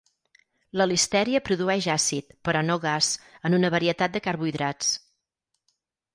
La "listèria" produeix àcid, però no gas, en una varietat de carbohidrats.